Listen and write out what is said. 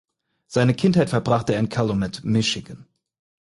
Seine Kindheit verbrachte er in Calumet (Michigan).